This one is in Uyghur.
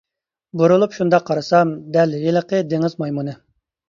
بۇرۇلۇپ شۇنداق قارىسام، دەل ھېلىقى دېڭىز مايمۇنى.